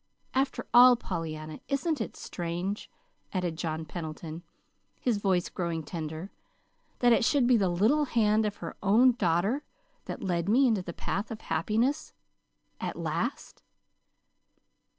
After all, Pollyanna, isn't it strange," added John Pendleton, his voice growing tender, "that it should be the little hand of her own daughter that led me into the path of happiness, at last?"